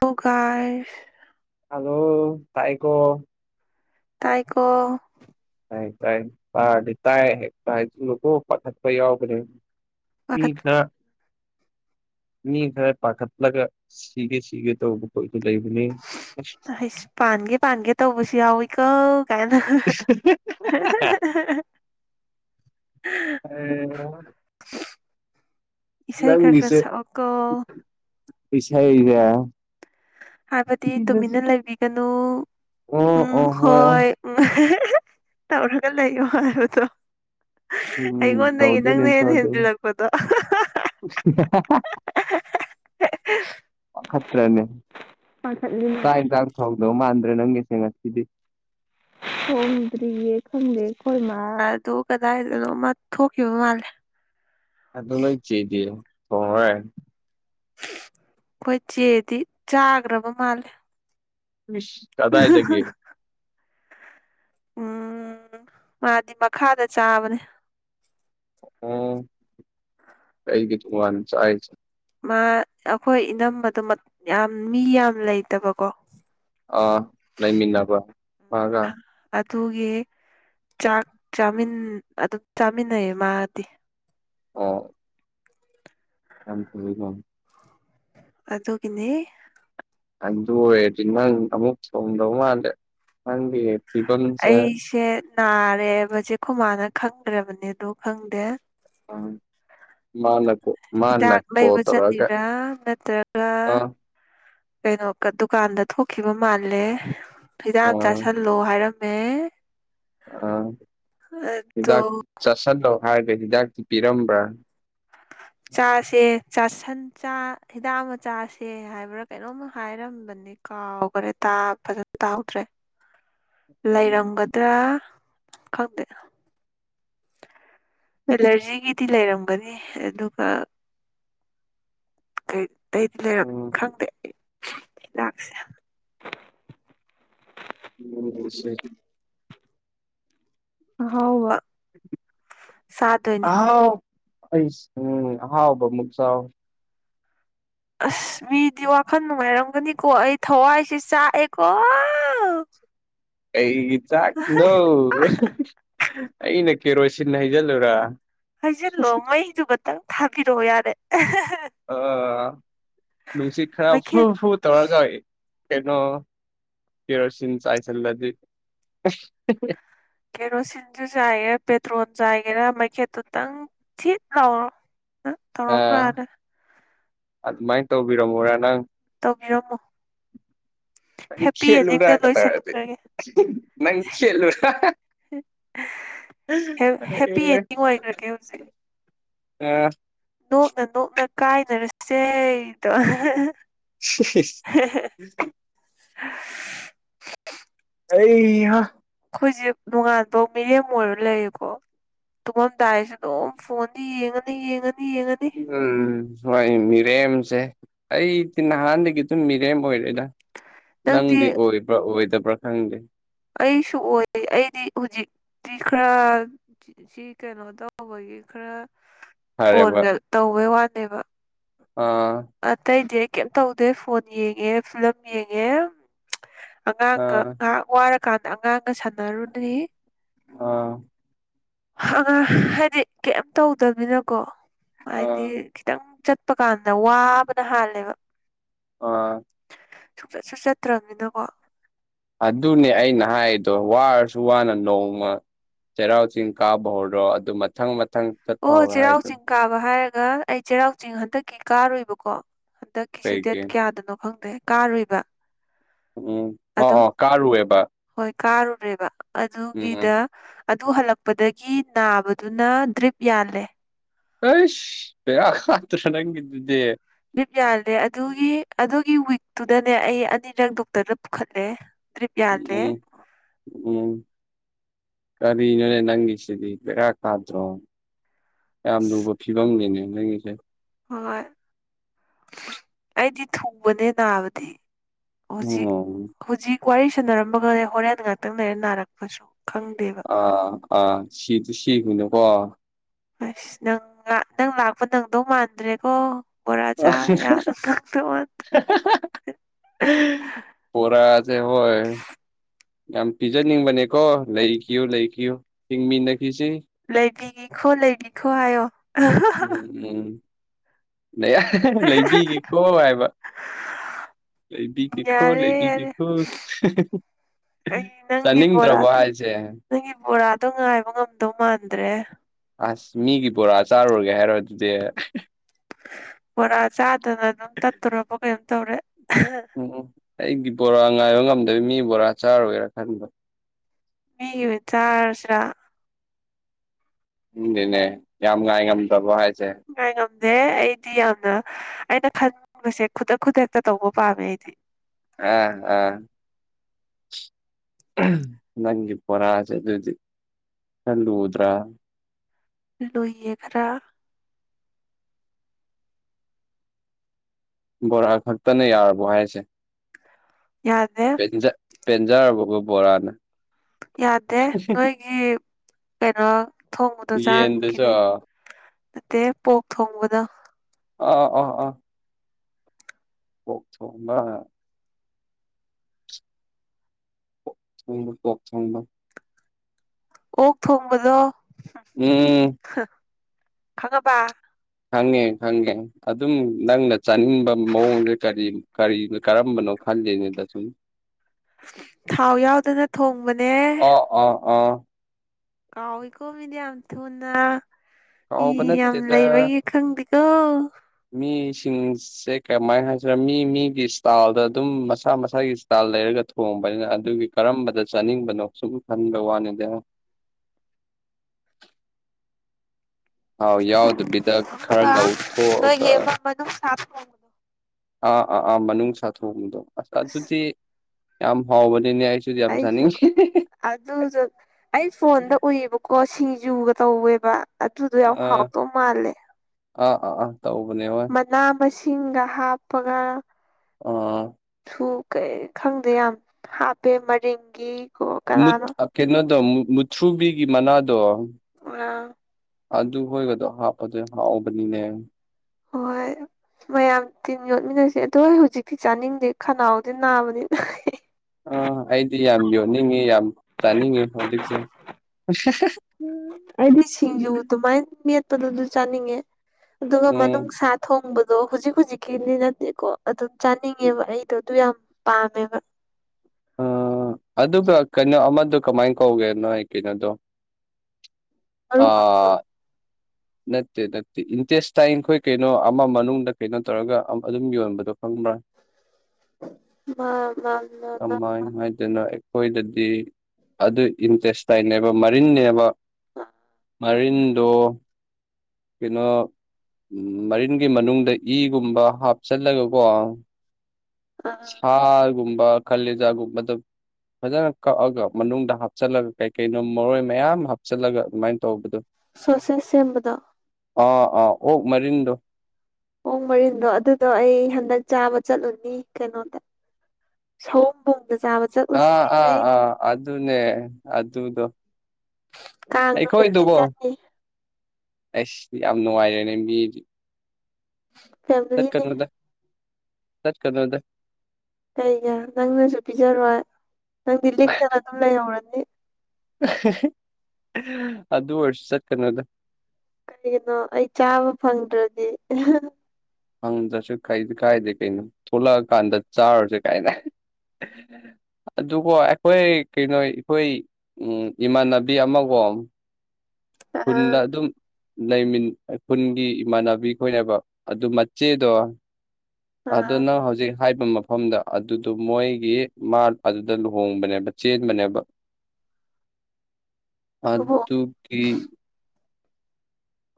ꯂꯣ ꯒꯥꯏꯁ ꯍꯜꯂꯣ ꯇꯥꯏꯀꯣ ꯇꯥꯏꯀꯣ ꯇꯥꯏ ꯇꯥꯏ ꯇꯔꯗꯤ ꯇꯥꯏ ꯍꯦꯛꯇ ꯍꯥꯏꯖꯤꯜꯂꯨꯀꯣ ꯄꯠꯇꯠꯄ ꯌꯥꯎꯕꯅꯦ ꯃꯤ ꯄꯥꯈꯠ ꯈꯔ [inaudible] ꯃꯤ ꯈꯔ ꯄꯥꯈꯠꯂꯒ ꯁꯤꯒꯦ ꯁꯤꯒꯦ ꯇꯧꯕ ꯈꯣꯏꯖꯨ ꯂꯩꯕꯅꯦ [unintelligible] ꯍꯩꯁ ꯄꯥꯟꯒꯦ ꯄꯥꯟꯒꯦ ꯇꯧꯕꯁꯨ ꯌꯥꯎꯋꯤꯀꯣ ꯌꯥꯏꯅ [unintelligible] ꯑꯩ ꯌꯥ [unintelligible] ꯏꯁꯩ ꯈꯔ ꯈꯔ ꯁꯛꯑꯣꯀꯣ ꯏꯁꯩꯒꯦ ꯍꯥꯏꯕꯗꯤ ꯇꯨꯃꯤꯟꯅ ꯂꯩꯕꯤꯒꯅꯣ ꯑꯣ ꯑꯣ ꯎꯝ ꯍꯣꯏ ꯎꯝ [unintelligible] ꯇꯧꯔꯒ ꯂꯩꯌꯣ ꯍꯥꯏꯕꯗꯣ ꯎꯝ ꯑꯩꯉꯣꯟꯗꯒꯤ ꯇꯧꯗꯣꯏꯅꯦ ꯅꯪꯅ ꯍꯦꯟ ꯇꯧꯗꯣꯏꯅꯦ ꯍꯦꯟꯖꯤꯜꯂꯛꯄꯗꯣ [unintelligible] [unintelligible] ꯄꯥꯈꯠꯇ꯭ꯔꯅꯦ ꯄꯥꯈꯠꯂꯤꯅꯦ ꯆꯥꯛ ꯏꯟꯖꯥꯡ ꯊꯣꯡꯗꯧ ꯃꯥꯟꯗ꯭ꯔꯦ ꯅꯪꯒꯤꯁꯦ ꯉꯁꯤꯗꯤ ꯊꯣꯡꯗ꯭ꯔꯤꯌꯦ ꯈꯪꯗꯦ ꯑꯩꯈꯣꯏ ꯃꯥꯗꯨ ꯀꯗꯥꯏꯗꯅꯣꯝꯃ ꯊꯣꯛꯈꯤꯕ ꯃꯥꯜꯂꯦ ꯑꯗꯨ ꯅꯣꯏ ꯆꯦꯗꯤ ꯊꯣꯡꯉꯔꯣꯏ [unintelligible] ꯈꯣꯏ ꯆꯦꯗꯤ ꯆꯥꯒ꯭ꯔꯕ ꯃꯥꯜꯂꯦ ꯏꯁ ꯀꯗꯥꯏꯗꯒꯤ ꯎꯝ ꯃꯥꯗꯤ ꯃꯈꯥꯗ ꯆꯥꯕꯅꯦ ꯑꯣ ꯀꯩꯒꯤ ꯇꯣꯉꯥꯟ ꯆꯥꯏꯖꯦ ꯃꯥ ꯑꯈꯣꯏ ꯏꯅꯝꯕꯗꯣ ꯃꯠ ꯌꯥꯝ ꯃꯤ ꯌꯥꯝ ꯂꯩꯇꯕꯀꯣ ꯑꯥ ꯂꯩꯃꯤꯟꯅꯕ [unintelligible] ꯑꯗꯨꯒꯤ ꯆꯥꯛ ꯆꯥꯃꯤꯟ ꯑꯗꯨꯝ ꯆꯥꯃꯤꯟꯅꯩꯌꯦ ꯃꯥꯗꯤ ꯑꯣ ꯌꯥꯝ [inaudible] ꯀꯣ ꯑꯗꯨꯒꯤꯅꯦ ꯑꯗꯨ ꯑꯣꯏꯔꯗꯤ ꯅꯪ ꯑꯃꯨꯛ ꯊꯣꯡꯗꯧ ꯃꯥꯜꯂꯦ ꯅꯪꯗꯤ ꯑꯩꯁꯦ ꯅꯥꯔꯦꯕꯁꯦ ꯈꯣꯏꯃꯥꯅ ꯈꯪꯒ꯭ꯔꯕꯅꯦ ꯗꯣ ꯈꯪꯗꯦ [unintelligible] ꯍꯤꯗꯥꯛ ꯀꯣꯜ ꯂꯩꯕ ꯇꯧꯔꯛꯑꯒ ꯆꯠꯂꯤꯔꯥ ꯅꯠꯇ꯭ꯔꯒ ꯑꯥ ꯀꯩꯅꯣ ꯗꯨꯀꯥꯟꯗ ꯊꯣꯛꯈꯤꯕ ꯃꯥꯜꯂꯦ ꯐꯤꯗꯥꯛ ꯑꯥ ꯆꯥꯥꯁꯜꯂꯣ ꯍꯥꯏꯔꯝꯃꯦ ꯑꯥ ꯑꯗꯣ ꯍꯤꯗꯥꯛ ꯆꯥꯁꯤꯜꯂꯣ ꯍꯥꯏꯒ ꯍꯤꯗꯥꯛꯇꯤ ꯄꯤꯔꯝꯕ꯭ꯔꯥ ꯆꯥꯁꯦ ꯆꯥꯁꯟ ꯆꯥ ꯍꯤꯗꯥꯛ ꯑꯃ ꯆꯁꯦ ꯍꯥꯏꯕ꯭ꯔꯥ ꯀꯩꯅꯣꯝꯃ ꯍꯥꯏꯔꯝꯕ ꯅꯦ ꯀꯥꯎꯒ꯭ꯔꯦ ꯇꯥ ꯐꯖꯟꯅ ꯇꯥꯍꯧꯗ꯭ꯔꯦ ꯂꯩꯔꯝꯒꯗ꯭ꯔꯥ ꯈꯪꯗꯦ ꯑꯦꯂꯔꯖꯤꯒꯤꯗꯤ ꯂꯩꯔꯝꯒꯅꯤ ꯑꯗꯨꯒ ꯀꯩ ꯑꯇꯩꯗꯤ ꯂꯩꯔꯝ ꯈꯪꯗꯦ ꯍꯤꯗꯥꯛꯁꯦ [unintelligible] ꯑꯍꯥꯎꯕ ꯆꯥꯗꯣꯏꯅꯦ ꯑꯥꯍꯥꯎ ꯑꯩꯁ ꯎꯝ ꯑꯍꯥꯎꯕꯃꯨꯛ ꯆꯥꯎ ꯑꯁ ꯃꯤꯗꯤ ꯋꯥꯈꯟ ꯅꯨꯡꯉꯥꯏꯔꯝꯒꯅꯤꯀꯣ ꯑꯩ ꯊꯋꯥꯏꯁꯦ ꯆꯥꯛꯑꯦꯀꯣ ꯀꯩꯒꯤ ꯆꯥꯛꯢꯅꯣ ꯑꯩꯅ ꯀꯦꯔꯣꯁꯤꯟ ꯍꯩꯖꯤꯜꯂꯨꯔꯥ ꯍꯩꯖꯤꯜꯂꯣ ꯃꯩꯗꯨꯒ ꯇꯪ ꯊꯥꯕꯤꯔꯛꯑꯣ ꯌꯥꯔꯦ ꯑ ꯅꯨꯡꯁꯤꯠ ꯈꯔ ꯐ꯭ꯔꯨ ꯃꯩꯈꯦꯠ ꯐ꯭ꯔꯨ ꯇꯧꯔꯒ ꯀꯩꯅꯣ ꯀꯦꯔꯣꯁꯤꯟ ꯆꯥꯏꯁꯤꯜꯂꯗꯤ ꯀꯦꯔꯣꯁꯤꯟꯖꯨ ꯆꯥꯏꯒꯦꯔꯥ ꯄꯦꯇ꯭ꯔꯣꯟ ꯆꯥꯏꯒꯦꯔꯥ ꯃꯩꯈꯦꯠꯇꯨꯇꯪ ꯊꯤꯠ ꯂꯥꯎꯔꯣ ꯑ ꯇꯧꯔꯝꯃꯣ ꯌꯥꯔꯦ ꯑꯗꯨꯃꯥꯏ ꯇꯧꯕꯤꯔꯝꯃꯣꯔ ꯅꯪ ꯇꯧꯕꯤꯔꯝꯃꯣ ꯅꯪ ꯍꯦꯞꯄꯤ ꯑꯦꯟꯗꯤꯡꯗ ꯈꯦꯠꯂꯨꯔꯥꯒ ꯇꯧꯔꯗꯤ ꯂꯣꯏꯁꯤꯟꯈ꯭ꯔꯒꯦ ꯅꯪ ꯈꯦꯠꯂꯨꯔꯥ ꯍꯦꯞ ꯍꯦꯞꯄꯤ ꯑꯦ ꯑꯦꯟꯗꯤꯡ ꯑꯣꯏꯒ꯭ꯔꯒꯦ ꯍꯧꯖꯤꯛ ꯑ ꯅꯣꯛꯅ ꯅꯣꯛꯅ ꯀꯥꯏꯅꯔꯁꯦꯗꯣ [unintelligible] ꯑꯩꯍꯥ ꯈꯣꯏꯖꯦ ꯅꯣꯡꯉꯥꯟꯚꯧ ꯃꯤꯔꯦꯝ ꯑꯣꯏꯔ ꯂꯩꯔꯦꯀꯣ ꯇꯨꯝꯃꯝꯗꯥꯏꯁꯨ ꯑꯗꯨꯝ ꯐꯣꯟꯗꯤ ꯌꯦꯡꯉꯅꯤ ꯌꯦꯡꯉꯅꯤ ꯌꯦꯡꯉꯅꯤ ꯎꯝ ꯋꯣꯢ ꯃꯤꯔꯦꯝꯖꯦ ꯑꯩꯗꯤ ꯅꯍꯥꯟꯗꯒꯤ ꯑꯗꯨꯝ ꯃꯤꯔꯦꯝ ꯑꯣꯏꯔꯦꯗ ꯅꯪꯗꯤ ꯑꯣꯏꯕ꯭ꯔꯥ ꯑꯣꯏꯗꯕ꯭ꯔꯥ ꯈꯪꯗꯦ ꯑꯩꯁꯨ ꯑꯣꯏ ꯑꯩꯗꯤ ꯍꯧꯖꯤꯛꯇꯤ ꯈꯔ ꯁꯤ ꯀꯩꯅꯣ ꯇꯧꯕꯒꯤ ꯈꯔ ꯐꯔꯦꯕ ꯐꯣꯟꯒ ꯇꯧꯕꯩ ꯋꯥꯅꯦꯕ ꯑꯥ ꯑꯇꯩꯗꯤ ꯑꯩ ꯀꯩꯝ ꯇꯧꯗꯦ ꯐꯣꯟ ꯌꯦꯡꯉꯦ ꯐꯤꯂꯝ ꯌꯦꯡꯉꯦ ꯑꯉꯥꯡꯒ ꯑꯥ ꯉꯍꯥꯛ ꯋꯥꯔꯀꯥꯟꯗ ꯑꯉꯥꯡꯒ ꯁꯥꯟꯅꯔꯨꯅꯤ ꯑꯥ ꯑꯉꯥꯡ ꯍꯥꯏꯗꯤ ꯀꯩꯝ ꯇꯧꯗꯝꯅꯤꯅꯀꯣ ꯑꯥ ꯍꯥꯏꯗꯤ ꯈꯤꯇꯪ ꯆꯠꯄ ꯀꯥꯟꯗ ꯋꯥꯕꯅ ꯍꯥꯜꯂꯦꯕ ꯑꯥ ꯁꯨꯡꯆꯠꯁꯨ ꯆꯠꯇ꯭ꯔꯝꯅꯤꯅꯀꯣ ꯑꯗꯨꯅꯦ ꯑꯩꯅ ꯍꯥꯏꯔꯤꯗꯣ ꯋꯥꯔꯁꯨ ꯋꯥꯅ ꯅꯣꯡꯃ ꯆꯩꯔꯥꯎ ꯆꯤꯡ ꯀꯥꯕ ꯍꯧꯔꯣ ꯑꯗꯨ ꯃꯊꯪ ꯃꯊꯪ ꯆꯠꯄ ꯑꯣ ꯍꯧꯔꯣ ꯆꯩꯔꯥꯎ ꯍꯥꯏꯗꯣ ꯆꯤꯡ ꯀꯥꯕ ꯍꯥꯏꯔꯒ ꯑꯩ ꯆꯩꯔꯥꯎ ꯆꯤꯡ ꯍꯟꯗꯛꯀꯤ ꯀꯥꯔꯨꯏꯕꯀꯣ ꯍꯟꯗꯛ ꯀꯤ ꯁꯤ ꯗꯦꯠ ꯀꯩꯒꯤ ꯀꯌꯥꯗꯅꯣ ꯈꯪꯗꯦ ꯀꯥꯔꯨꯏꯕ ꯎꯝ ꯑꯣ ꯑꯗꯨꯝ ꯑꯣ ꯀꯥꯔꯨꯏꯌꯦꯕ ꯍꯣꯏ ꯀꯥꯔꯨꯔꯦꯕ ꯑꯗꯨꯒꯤꯗ ꯑꯗꯨ ꯍꯜꯂꯛꯄꯗꯒꯤ ꯅꯥꯕꯗꯨꯅ ꯗ꯭ꯔꯤꯞ ꯌꯥꯜꯂꯦ ꯑꯩꯁ ꯀꯗ꯭ꯔ ꯅꯪꯒꯤꯗꯨꯗꯤ ꯗ꯭ꯔꯤꯞ ꯌꯥꯜꯂꯦ ꯑꯗꯨꯒꯤ ꯑꯗꯨꯒꯤ ꯋꯤꯛꯇꯨꯗꯅꯦ ꯑꯩ ꯑꯅꯤꯔꯛ ꯗꯣꯛꯇꯔꯗ ꯄꯨꯈꯠꯂꯦ ꯗ꯭ꯔꯤꯞ ꯌꯥꯜꯂꯦ ꯎꯝ ꯎꯝ ꯀꯔꯤꯅꯣꯅꯦ ꯅꯪꯒꯤꯁꯤꯗꯤ ꯕꯦꯔꯥ ꯀꯥꯗ꯭ꯔꯣ ꯌꯥꯝ ꯂꯨꯕ ꯐꯤꯕꯝꯅꯤꯅꯦ ꯅꯪꯉꯒꯤꯁꯦ ꯍꯣꯏ ꯑꯩꯗꯤ ꯊꯨꯕꯅꯦ ꯅꯥꯕꯗꯤ ꯍꯧꯖꯤꯛ ꯎꯝ ꯍꯧꯖꯤꯛ ꯋꯥꯔꯤ ꯁꯥꯟꯅꯔꯝꯕꯒꯅꯦ ꯍꯣꯔꯦꯟ ꯉꯥꯛꯇꯪ ꯂꯩꯔ ꯅꯥꯔꯛꯄꯁꯨ ꯈꯪꯗꯦꯕ ꯑꯥ ꯑꯥ ꯁꯤꯁꯨ ꯁꯤꯈꯅꯨꯀꯣ ꯑꯁ ꯅꯪ ꯅꯪ ꯂꯥꯛꯄ ꯅꯪꯗꯧ ꯃꯥꯟꯗ꯭ꯔꯦꯀꯣ ꯕꯣꯔꯥ ꯆꯥꯕ ꯌꯥꯗ ꯉꯥꯛꯇ [unintelligible] ꯄꯣꯔꯁꯦ ꯍꯣꯏ ꯌꯥꯝ ꯄꯤꯖꯅꯤꯡꯕꯅꯦꯀꯣ ꯂꯩꯈꯤꯌꯨ ꯂꯩꯈꯤꯌꯨ ꯍꯤꯡꯃꯤꯟꯅꯈꯤꯁꯤ ꯂꯩꯕꯤꯒꯤꯈꯣ ꯂꯩꯕꯤꯈꯣ ꯍꯥꯏꯌꯣ ꯎꯝ ꯅꯌꯥ ꯂꯩꯕꯤꯒꯦꯀꯣ ꯍꯥꯏꯕ ꯂꯩꯕꯤꯒꯦꯈꯣ ꯂꯩ ꯌꯥꯔꯦ ꯌꯥꯔꯦ ꯂꯩꯕꯤꯒꯦꯈꯣ ꯑꯩ ꯅꯪꯒꯤ ꯆꯅꯤꯡꯗ꯭ꯔꯕꯥ ꯕꯣꯔꯥꯗꯨ ꯍꯥꯏꯁꯦ ꯅꯪꯒꯤ ꯕꯣꯔꯥꯗꯣ ꯉꯥꯏꯕ ꯉꯝꯗꯧ ꯃꯥꯟꯗ꯭ꯔꯦ ꯑꯁ ꯃꯤꯒꯤ ꯕꯣꯔꯥ ꯆꯥꯔꯨꯔꯒꯦ ꯍꯥꯏꯔꯣ ꯑꯗꯨꯗꯤ ꯕꯣꯔꯥ ꯆꯥꯗꯅ ꯑꯗꯨꯝ ꯇꯠꯇꯣꯔꯔꯕ ꯀꯩꯅꯣꯝ ꯇꯧꯔꯦ ꯎꯝ ꯑꯩꯒꯤ ꯕꯣꯔꯥ ꯉꯥꯏꯕ ꯉꯝꯗꯕ ꯃꯤ ꯕꯣꯔꯥ ꯆꯥꯔꯣꯏꯒꯦꯔꯥ ꯈꯟꯕ ꯃꯤꯒꯤ ꯑꯣꯏ ꯆꯥꯔꯁꯤꯔ ꯎꯝꯗꯤꯅꯦ ꯌꯥꯝ ꯉꯥꯏ ꯉꯝꯗꯕꯣ ꯍꯥꯏꯁꯦ ꯉꯥꯏꯉꯝꯗꯦ ꯑꯩꯗꯤ ꯌꯥꯝꯅ ꯑꯩꯅ ꯈꯟꯅꯤꯡꯕꯁꯦ ꯈꯨꯗꯛ ꯈꯨꯗꯛꯇ ꯇꯧꯕ ꯄꯥꯝꯃꯦ ꯑꯩꯗꯤ ꯑ ꯑꯥ ꯅꯪꯒꯤ ꯕꯣꯔꯥ ꯁꯦ ꯑꯗꯨꯗꯤ ꯈꯔ ꯂꯨꯗ꯭ꯔ ꯂꯨꯏꯌꯦ ꯈꯔ ꯕꯣꯔꯥ ꯈꯛꯇꯅ ꯌꯥꯔꯕꯣ ꯍꯥꯏꯁꯦ ꯌꯥ ꯄꯦꯟꯖꯔꯕꯒꯣ ꯕꯣꯔꯥꯅ ꯌꯥꯗꯦ ꯅꯣꯏꯒꯤ ꯀꯩꯅꯣ ꯊꯣꯡꯕꯗꯣ ꯌꯦꯟꯗꯨꯁꯨ ꯆꯥꯟꯈꯤꯅꯤ ꯑꯥ ꯅꯠꯇꯦ ꯄꯣꯛ ꯊꯣꯡꯕꯗꯣ ꯑ ꯑꯣ ꯑ ꯑ [unintelligible] ꯄꯣꯛ ꯊꯣꯡꯕ ꯑꯣꯛ ꯊꯣꯡꯕꯗꯣ ꯎꯝ ꯈꯪꯉꯕ ꯈꯪꯉꯦ ꯈꯪꯉꯦ ꯑꯗꯨꯝ ꯅꯪꯅ ꯆꯥꯅꯤꯡꯕ ꯃꯑꯣꯡꯁꯦ ꯀꯔꯤ ꯀꯔꯤꯅ ꯀꯔꯝꯕꯅꯣ ꯈꯗꯦꯅꯦ ꯗꯁꯨꯝ ꯊꯥꯎ ꯌꯥꯎꯗꯅ ꯊꯣꯡꯕꯅꯦ ꯑꯥ ꯑꯥ ꯀꯥꯎꯏꯀꯣ ꯃꯤꯗꯤ ꯌꯥꯝ ꯊꯨꯅ ꯃꯤ ꯀꯥꯎꯕ ꯌꯥꯝ ꯅꯠꯇꯦꯗ ꯂꯩꯕꯒꯤ ꯈꯪꯗꯦꯀꯣ ꯃꯤ ꯁꯤ ꯁꯦ ꯀꯃꯥꯏꯅ ꯍꯥꯏꯁꯤꯔ ꯃꯤ ꯃꯤꯒꯤ ꯏꯁꯇꯥꯏꯜꯗ ꯑꯗꯨꯝ ꯃꯁꯥ ꯃꯁꯥꯒꯤ ꯏꯁꯇꯥꯏꯜ ꯂꯩꯔꯒ ꯊꯣꯡꯕꯅꯤꯅ ꯑꯗꯨꯒꯤ ꯀꯔꯝꯕꯗ ꯆꯥꯅꯤꯡꯕꯅꯣ ꯁꯨꯝ ꯈꯟꯕ ꯋꯥꯅꯤꯗ ꯑꯥꯎ ꯌꯥꯎꯗꯕꯤꯗ ꯈꯔ ꯑꯗꯨꯒ ꯉꯧꯊꯣꯛꯑꯒ [unintelligible] ꯑꯥ ꯑꯥ ꯑꯥ ꯃꯅꯨꯡꯁꯥ ꯊꯣꯛꯑꯕꯗꯣ ꯑꯁ ꯑꯗꯨꯗꯤ ꯌꯥꯝ ꯍꯥꯎꯕꯅꯤꯅꯦ ꯑꯩꯁꯨ ꯑꯗꯨꯨꯗꯤ ꯌꯥꯝ ꯑꯩꯁꯨ ꯆꯥꯅꯤꯡ ꯑꯗꯨꯁꯨ ꯑꯩ ꯐꯣꯟꯗ ꯎꯏꯌꯦꯕꯀꯣ ꯁꯤꯡꯖꯨꯒ ꯇꯧꯋꯦꯕ ꯑꯗꯨꯗꯣ ꯌꯥꯝ ꯑꯥ ꯍꯥꯎꯗꯧ ꯃꯥꯜꯂꯦ ꯑꯥ ꯑꯥ ꯑꯥ ꯇꯧꯕꯅꯦ ꯍꯣꯏ ꯃꯅꯥ ꯃꯁꯤꯡꯒ ꯍꯥꯞꯄꯒ ꯑꯣ ꯊꯨ ꯀꯩ ꯈꯪꯗꯦ ꯌꯥꯝ ꯍꯥꯞꯄꯦ ꯃꯔꯤꯡꯒꯤ ꯀꯣ ꯃꯨꯠ ꯀꯅꯥꯅꯣ ꯀꯩꯅꯣꯗꯣ ꯃꯨꯊ꯭ꯔꯨꯕꯤꯒꯤ ꯃꯅꯥꯗꯣ ꯑ ꯑꯗꯨ ꯍꯣꯏꯒꯗꯣ ꯍꯥꯞꯄꯗ ꯍꯥꯞꯕꯅꯤꯅꯦ ꯍꯣꯏ ꯃꯌꯥꯝ ꯇꯤꯟ ꯌꯣꯠꯃꯤꯟꯅꯁꯦ ꯑꯗꯣ ꯑꯩ ꯍꯧꯖꯤꯛꯇꯤ ꯆꯥꯅꯤꯡꯗꯦ ꯈꯅꯥꯎꯖꯦ ꯅꯥꯕꯅꯤꯅ ꯑꯥ ꯑꯩꯗꯤ ꯌꯥꯝ ꯌꯣꯟꯅꯤꯡꯉꯤ ꯌꯥꯝ ꯆꯥꯅꯤꯡꯉꯤ ꯍꯧꯖꯤꯛꯁꯦ ꯑꯨꯝ ꯑꯩꯗꯤ ꯁꯤꯡꯖꯨ ꯑꯗꯨꯃꯥꯏꯅ ꯃꯦꯠꯄꯗꯨ ꯑꯗꯨ ꯆꯥꯅꯤꯡꯉꯦ ꯑꯗꯨꯒ ꯎꯝ ꯃꯅꯨꯡꯁ ꯊꯣꯡꯕꯗꯣ ꯍꯧꯖꯤꯛ ꯍꯧꯨꯖꯤꯛꯀꯤꯅꯤ ꯅꯠꯇꯦꯀꯣ ꯑꯗꯨꯝ ꯆꯥꯅꯤꯡꯉꯦꯕ ꯑꯩꯗꯣ ꯑꯗꯨ ꯌꯥꯝ ꯄꯥꯝꯃꯦꯕ ꯑꯥ ꯑꯗꯨꯒ ꯀꯩꯅꯣ ꯑꯃꯗꯣ ꯀꯃꯥꯏꯅ ꯀꯧꯒꯦ ꯅꯣꯏ ꯀꯩꯅꯣꯗꯣ ꯃꯔꯨ ꯃꯔꯨꯗꯣ ꯑꯥ ꯅꯠꯇꯦ ꯅꯠꯇꯦ ꯏꯟꯇꯦꯁ ꯇꯥꯏꯈꯣꯏ ꯀꯩꯅꯣ ꯑꯃ ꯃꯅꯨꯡꯗ ꯀꯩꯅꯣ ꯇꯧꯔꯒ ꯑꯗꯨꯝ ꯌꯣꯟꯕꯗꯣ ꯈꯪꯕ꯭ꯔꯥ ꯃꯥ ꯃꯥ ꯃꯥ ꯀꯃꯥꯏ ꯍꯥꯏꯗꯣꯏꯅꯣ ꯑꯩ ꯑꯩꯈꯣꯏꯗꯗꯤ ꯑꯗꯨ ꯏꯟꯇꯦꯁꯇꯥꯏꯟꯅꯦꯕ ꯃꯔꯤꯟꯅꯦꯕ ꯃꯔꯤꯟꯗꯣ ꯀꯩ ꯅꯣ ꯎꯝ ꯃꯔꯤꯟꯒꯤ ꯃꯅꯨꯡꯗ ꯏꯒꯨꯝꯕ ꯍꯥꯞꯆꯜꯂꯒꯀꯣ ꯑꯥ ꯑꯥ ꯍꯥꯥꯒꯨꯝꯕ ꯀꯂꯦꯖꯒꯨꯝꯕ ꯐꯖꯅ ꯀꯛꯑꯒ ꯃꯅꯨꯡꯗ ꯍꯥꯞꯆꯤꯜꯂꯒ ꯀꯩ ꯀꯩꯅꯣ ꯃꯔꯣꯏ ꯃꯌꯥꯝ ꯍꯥꯞꯆꯤꯜꯂꯒ ꯑꯗꯨꯃꯥꯏꯅ ꯇꯧꯕꯗꯨꯣ ꯁꯣꯁꯦ ꯁꯦꯝꯕꯗ ꯑꯥ ꯑꯥ ꯑꯣꯛ ꯃꯔꯤꯟꯗꯨ ꯄꯣꯡ ꯃꯔꯤꯟꯗꯣ ꯑꯗꯨꯗꯣ ꯑꯩ ꯍꯟꯗꯛ ꯆꯥꯕ ꯆꯠꯂꯨꯅꯤ ꯀꯩꯅꯣꯗ ꯁꯣꯝꯕꯣꯡꯗ ꯆꯥꯕ ꯆꯠꯂꯨꯁꯦ ꯑꯥ ꯑꯥ ꯍꯥꯏꯅꯩ ꯑꯥ ꯑꯗꯨꯅꯦ ꯑꯗꯨꯗꯣ ꯀꯥꯡ ꯅꯨꯃꯤꯠꯇ ꯑꯩꯈꯣꯏꯗꯨꯀꯣ ꯆꯠꯅꯤ ꯑꯩꯁ ꯌꯥꯝ ꯅꯨꯡꯉꯥꯏꯔꯦꯅꯦ ꯃꯤꯗꯤ ꯐꯦꯃꯤꯂꯤꯅꯦ ꯆꯠꯀꯅꯨꯗ ꯆꯠꯀꯅꯨꯗ ꯀꯩꯒꯤ ꯅꯪꯅꯁꯨ ꯄꯤꯖꯔꯣꯏ ꯅꯪꯗꯤ ꯂꯤꯛꯇꯅ ꯑꯗꯨꯝ ꯂꯩꯍꯧꯔꯅꯤ ꯑꯗꯨ ꯑꯣꯏꯔꯁꯨ ꯆꯠꯀꯅꯨꯗ ꯑꯩꯗꯣ ꯑꯩ ꯆꯥꯕ ꯐꯪꯗ꯭ꯔꯗꯤ ꯐꯪꯗ꯭ꯔꯁꯨ ꯀꯥꯏꯗꯦ ꯀꯩꯅꯣ ꯊꯣꯛꯂꯛꯑꯀꯥꯟꯗ ꯆꯥꯔꯁꯦ ꯀꯥꯏꯅ ꯑꯗꯨꯒ ꯑꯩꯈꯣꯏ ꯀꯩꯅꯣ ꯑꯩꯈꯣꯏ ꯎꯝ ꯏꯃꯥꯟꯅꯕꯤ ꯑꯃ ꯀꯣ ꯑ ꯈꯨꯟꯗ ꯑꯗꯨꯝ ꯂꯩꯃꯤꯟ ꯈꯨꯟꯒꯤ ꯏꯃꯥꯟꯅꯕꯤ ꯈꯣꯏꯅꯦꯕ ꯑꯗꯨ ꯃꯆꯦꯗꯣ ꯑꯗꯨ ꯑꯥ ꯅꯪ ꯍꯧꯖꯤꯛ ꯍꯥꯏꯕ ꯃꯐꯝꯗ ꯑꯗꯨꯗꯣ ꯃꯣꯏꯒꯤ ꯃꯥ ꯑꯗꯨꯗ ꯂꯨꯍꯣꯡꯕꯅꯦꯕ ꯆꯦꯟꯕꯅꯦꯕ [inaudible] ꯑꯗꯨꯒꯤ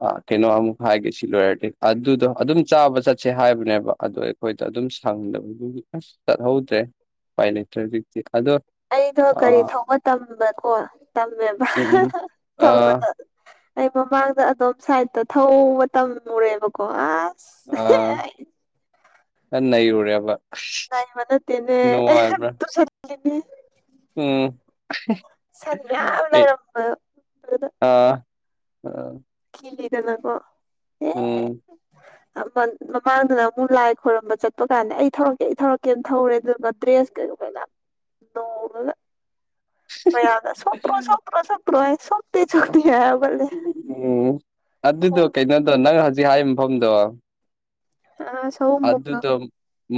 ꯑꯥ ꯀꯩꯅꯣ ꯑꯃꯨꯛ ꯍꯥꯏꯒꯦ ꯁꯤ ꯂꯣꯏꯔꯗꯤ ꯑꯗꯨꯗꯣ ꯑꯗꯨꯝ ꯆꯥꯕ ꯆꯠꯁꯦ ꯍꯥꯏꯕꯅꯦꯕ ꯑꯗꯨ ꯑꯩꯈꯣꯏꯗ ꯑꯗꯨꯝ ꯁꯪꯗꯕꯗꯨꯒꯤ ꯑꯁ ꯆꯠꯍꯧꯗ꯭ꯔꯦ ꯎꯄꯥꯏ ꯂꯩꯇ꯭ꯔꯦ ꯍꯧꯖꯤꯛꯇꯤ ꯑꯗꯣ ꯑꯩꯗꯣ ꯒꯥꯔꯤ ꯑꯥ ꯊꯧꯕ ꯇꯝꯕꯀꯣ ꯇꯝꯃꯦꯕ ꯎꯝ ꯎꯝ ꯑꯥ ꯊꯝꯕꯗꯣ ꯑꯩ ꯃꯃꯥꯡꯗ ꯑꯗꯣꯝ ꯁꯥꯏꯠꯇ ꯊꯧꯕ ꯇꯝꯃꯨꯔꯦꯕꯀꯣ ꯑꯁ ꯑꯥ ꯑꯩ ꯈꯔꯥ ꯅꯩꯔꯨꯔꯦꯕ ꯅꯩꯕꯥ ꯅꯠꯇꯦꯅꯦ ꯅꯨꯡꯉꯥꯏꯕ꯭ꯔꯥ ꯇꯨꯁꯤꯟꯂꯤꯅꯤ ꯎꯝ ꯁꯟ ꯃꯌꯥꯝ ꯂꯩꯔꯝꯕꯥ ꯑꯗꯨꯗ ꯑꯥ ꯀꯤꯗꯦꯗꯅꯥꯀꯣ ꯎꯝ ꯎꯝ ꯃꯃꯥꯡꯗꯨꯅ ꯑꯃꯨꯛ ꯂꯥꯏ ꯈꯣꯏꯔꯝꯕ ꯆꯠꯄ ꯀꯥꯟꯗ ꯑꯩ ꯊꯧꯔꯛꯀꯦ ꯑꯩ ꯊꯧꯔꯛꯀꯦꯅ ꯊꯧꯔꯦ ꯑꯗꯨꯒꯅ ꯗ꯭ꯔꯦꯁ ꯀꯩ ꯄꯨꯂꯞ [unintelligible] ꯃꯌꯥꯝꯅꯥ ꯁꯣꯛꯇ꯭ꯔꯣ ꯁꯣꯛꯇ꯭ꯔꯣ ꯁꯣꯛꯇ꯭ꯔꯣ ꯍꯥꯏꯌꯦ ꯁꯣꯛꯇꯦ ꯁꯣꯛꯇꯦ ꯍꯥꯏꯌꯦ ꯎꯝ ꯑꯗꯨꯗꯣ ꯀꯩꯅꯣꯗꯣ ꯅꯪ ꯍꯧꯖꯤꯛ ꯍꯥꯏꯔꯤꯕ ꯃꯐꯝꯗꯣ ꯑꯁ ꯑꯗꯨꯗꯣ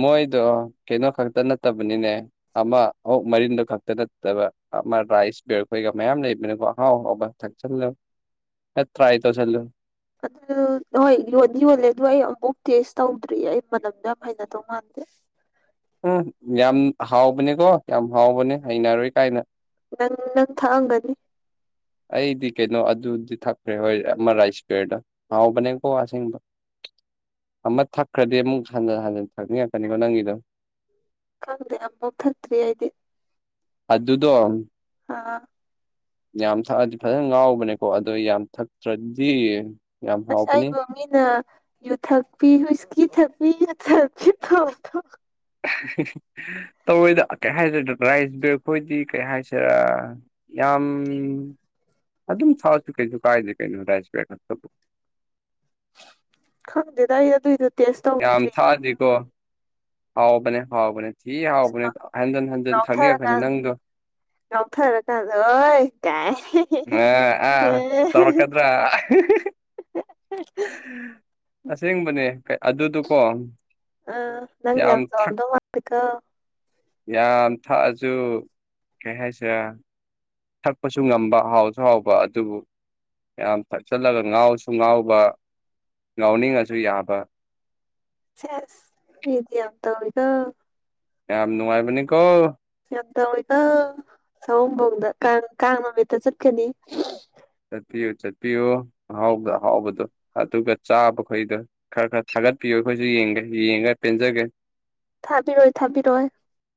ꯃꯣꯏꯗꯣ ꯀꯩꯅꯣ ꯈꯛꯇ ꯅꯠꯇꯕꯅꯤꯅꯦ ꯑꯃ ꯑꯨꯛ ꯃꯔꯤꯟꯗ ꯈꯛꯇ ꯅꯠꯇꯕ ꯑꯃ ꯔꯥꯏꯁ ꯕꯤꯌꯔ ꯈꯣꯏꯒ ꯃꯌꯥꯝ ꯂꯩꯕꯅꯤꯀꯣ ꯑꯥꯍꯥꯎ ꯍꯥꯎꯕ ꯊꯛꯁꯤꯟꯂꯒ ꯇꯔꯥꯏ ꯇꯧꯁꯤꯟꯂꯣ ꯑꯗꯨ ꯍꯣꯏ ꯌꯣꯟꯗꯤ ꯌꯣꯜꯂꯦ ꯑꯗꯨ ꯑꯩ ꯑꯃꯨꯛ ꯇꯦꯁ ꯇꯧꯗ꯭ꯔꯤ ꯑꯩ ꯃꯅꯝꯗ ꯌꯥꯝ ꯍꯥꯏꯅꯗꯧ ꯃꯥꯟꯗꯦ ꯎꯝ ꯌꯥꯝ ꯍꯥꯎꯕꯅꯦꯀꯣ ꯌꯥꯝ ꯍꯥꯎꯕꯅꯦ ꯍꯩꯅꯔꯣꯏ ꯀꯥꯏꯅ ꯅꯪ ꯅꯪ ꯊꯥꯛꯑꯝꯒꯅꯤ ꯑꯩꯗꯤ ꯀꯩꯅꯣ ꯑꯗꯨꯗꯤ ꯊꯛꯇꯦ ꯍꯣꯏ ꯑꯃ ꯔꯥꯏꯁ ꯕꯤꯌꯔꯗꯣ ꯍꯥꯎꯕꯅꯦ ꯀꯣ ꯑꯁꯦꯡꯕ ꯑꯃ ꯊꯛꯈ꯭ꯔꯗꯤ ꯑꯃꯨꯛ ꯍꯟ ꯍꯟ ꯊꯛꯅꯤꯡꯉꯛꯀꯅꯤꯀꯣ ꯅꯪꯒꯤꯗꯣ ꯈꯪꯗꯦ ꯑꯃꯐꯧ ꯊꯛꯇ꯭ꯔꯤ ꯑꯩꯗꯤ ꯑꯗꯨꯗꯣ ꯑꯥ ꯌꯥꯝ ꯊꯛꯑꯗꯤ ꯐꯖꯅ ꯉꯥꯎꯕꯅꯦꯀꯣ ꯑꯗꯣ ꯌꯥꯝ ꯊꯛꯇ꯭ꯔꯗꯤ ꯌꯥꯝ ꯑꯁ ꯍꯥꯎꯕꯅꯤ ꯑꯩꯕꯨ ꯃꯤꯅ ꯌꯨꯊꯛꯄꯤ ꯍꯨꯏꯁꯀꯤ ꯊꯛꯄꯤ ꯌꯨꯊꯛꯄꯤ ꯇꯧꯕꯥ ꯗꯣ ꯇꯧꯔꯣꯏꯗ ꯀꯩ ꯍꯥꯏꯁꯤꯔ ꯔꯥꯏꯁ ꯕꯤꯌꯔ ꯈꯣꯏꯗꯤ ꯀꯩ ꯍꯥꯏꯁꯤꯔꯥ ꯌꯥꯝ ꯑꯗꯨꯝ ꯊꯛ ꯑꯗꯤ ꯀꯩꯁꯨ ꯀꯥꯏꯗꯦ ꯀꯩꯅꯣ ꯔꯥꯏꯁ ꯕꯤꯌꯔ ꯊꯛꯄꯕꯨ ꯈꯪꯗꯦꯗ ꯑꯩ ꯑꯗꯨꯏꯗ ꯇꯦꯁ ꯇꯧ ꯌꯥꯝ ꯊꯛꯑꯗꯤꯀꯣ ꯍꯥꯎꯕꯅꯦ ꯍꯥꯎꯕꯅꯦ ꯊꯤ ꯍꯥꯎꯕꯅꯦ ꯍꯟꯖꯤꯟ ꯍꯟꯖꯤꯟ ꯊꯛꯅꯤꯡꯉꯛꯀꯅꯤ ꯉꯥꯎꯊꯔꯀꯥꯟꯗ ꯅꯪꯗꯣ ꯉꯥꯎꯊꯔꯀꯥꯟꯗ ꯍꯣꯏ ꯀꯥꯏ ꯑ ꯑ ꯇꯧꯔꯛꯀꯅꯨ [inaudible] ꯑꯁꯦꯡꯕꯅꯦ ꯑꯗꯨꯗꯨꯀꯣ ꯑ ꯅꯪ ꯌꯥꯝ ꯆꯥꯎꯔꯝꯗꯧ ꯃꯥꯜꯂꯤꯀꯣ ꯌꯥꯝ ꯊꯛꯑꯁꯨ ꯀꯩ ꯍꯥꯏꯁꯤꯔꯥ ꯊꯛꯄꯁꯨ ꯉꯝꯕ ꯍꯥꯎꯁꯨ ꯍꯥꯎꯕ ꯑꯗꯨꯕꯨ ꯌꯥꯝ ꯊꯛꯆꯜꯂꯒ ꯉꯥꯎꯁꯨ ꯉꯥꯎꯕ ꯉꯥꯎꯅꯤꯡꯉꯁꯨ ꯌꯥꯕ ꯁꯦꯁ ꯃꯤꯗꯤ ꯌꯥꯝ ꯇꯧꯋꯤꯀꯣ ꯌꯥꯝ ꯅꯨꯡꯉꯥꯏꯕꯅꯤꯀꯣ ꯌꯥꯝ ꯇꯧꯋꯤ ꯀꯣ ꯁꯑꯣꯝꯕꯣꯡꯗ ꯀꯥꯡ ꯀꯥꯡ ꯅꯨꯃꯤꯠꯇ ꯆꯠꯀꯅꯤ ꯆꯠꯄꯤꯌꯨ ꯆꯠꯄꯤꯌꯨ ꯑꯍꯥꯎꯒ ꯑꯍꯥꯎꯕꯗꯣ ꯑꯗꯨꯒ ꯆꯥꯕꯈꯣꯏꯗꯣ ꯈꯔ ꯈꯔ ꯊꯥꯒꯠꯄꯤꯌꯨ ꯑꯩꯈꯣꯏꯁꯨ ꯌꯦꯡꯒꯦ ꯌꯦꯡꯉꯒ ꯄꯦꯟꯖꯒꯦ ꯊꯥꯕꯤꯔꯣꯏ ꯊꯥꯕꯤꯔꯣꯏ